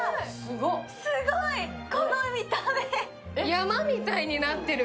山みたいになってる。